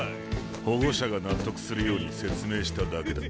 保護者が納得するように説明しただけだ。